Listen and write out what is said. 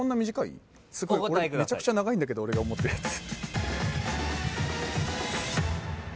めちゃくちゃ長いんだけど俺が思ってるやつ。